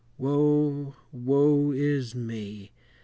Woe, woe is me!